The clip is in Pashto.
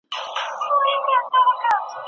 مجاهد په میدان کي د زمري په څېر وي.